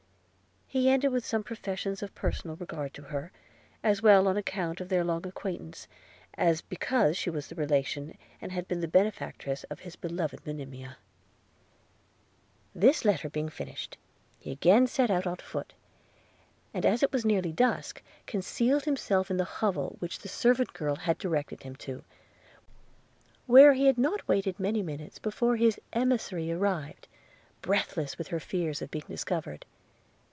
He ended with some professions of personal regard to her, as well on account of their long acquaintance, as because she was the relation, and had been the benefactress of his beloved Monimia. This letter being finished, he again set out on foot; and as it was nearly dusk, concealed himself in the hovel which the servant girl had directed him to, where he had not waited many minutes before his emissary arrived, breathless with her fears of being discovered.